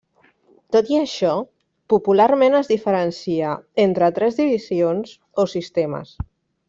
Tot i això popularment es diferencia entre tres divisions o sistemes.